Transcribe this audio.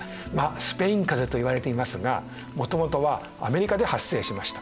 スペインかぜと言われていますがもともとはアメリカで発生しました。